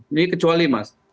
ini kecuali mas